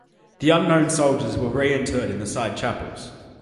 The unknown soldiers were re-interred in the side chapels.